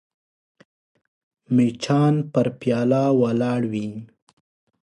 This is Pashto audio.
مچان پر پیاله ولاړ وي